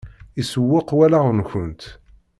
Isewweq wallaɣ-nkent.